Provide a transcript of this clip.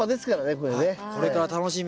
これから楽しみ！